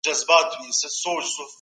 ملي شتمنۍ د هیواد لپاره کارول کیدلې.